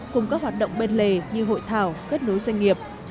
cùng các hoạt động bên lề như hội thảo kết nối doanh nghiệp